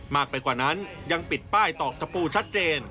มากไปกว่านั้นยังปิดป้ายตอกตะปูชัดเจน